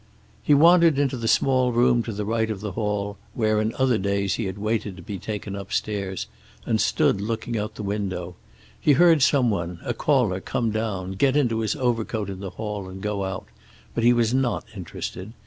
He wandered into the small room to the right of the hall, where in other days he had waited to be taken upstairs, and stood looking out of the window. He heard some one, a caller, come down, get into his overcoat in the hall and go out, but he was not interested.